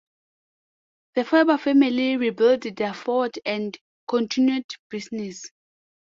The Faber family rebuilt their fort and continued business.